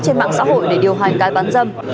trên mạng xã hội để điều hành cái bán dâm